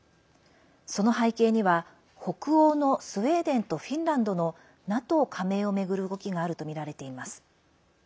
その背景には、北欧のスウェーデンとフィンランドのＮＡＴＯ加盟を巡る動きがあるとみられています。